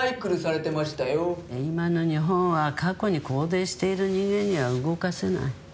今の日本は過去に拘泥している人間には動かせない。